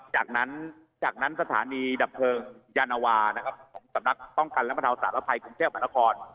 จากนั้นสถานีดับเพลิงยานวาสำนักต้องการรับประทับสารภัยกรุงเชษฐ์บรรทักร